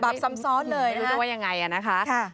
บาปซ้ำซ้อนเลยนะคะค่ะ